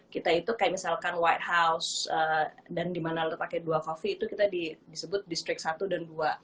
kita itu kayak misalkan white house dan dimana lo pakai dua coffee itu kita disebut distrik satu dan dua